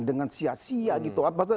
dengan sia sia gitu